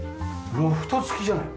ロフト付きじゃない。